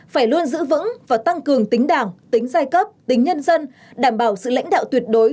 phải luôn giữ vững và tăng cường tính đảng tính giai cấp tính nhân dân đảm bảo sự lãnh đạo tuyệt đối